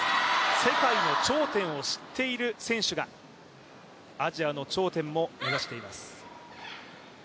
世界の頂点を知っている選手がアジアの頂点も目指しています。